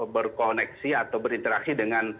berkoneksi atau berinteraksi dengan